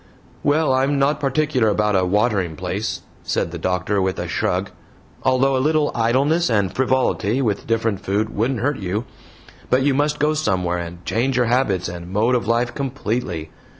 "Well, I'm not particular about a 'watering place,'" said the doctor, with a shrug, "although a little idleness and frivolity with different food wouldn't hurt you but you must go somewhere and change your habits and mode of life COMPLETELY.